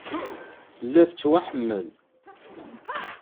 Tella tettwaḥemmel.